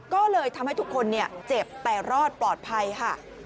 ก็เลยทำให้ทุกคนเจ็บแต่รอดปลอดภัยค่ะ